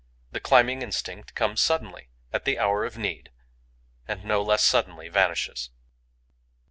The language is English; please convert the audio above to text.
The climbing instinct conies suddenly, at the hour of need, and no less suddenly vanishes.